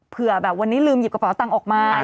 เผื่อแบบวันนี้ลืมหยิบกระเป๋าตังค์ออกมา